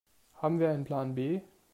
Haben wir einen Plan B?